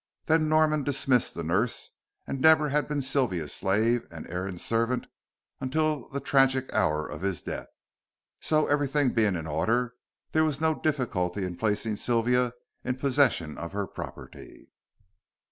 Then Norman dismissed the nurse, and Deborah had been Sylvia's slave and Aaron's servant until the tragic hour of his death. So, everything being in order, there was no difficulty in placing Sylvia in possession of her property.